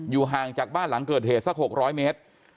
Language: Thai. ห่างจากบ้านหลังเกิดเหตุสัก๖๐๐เมตร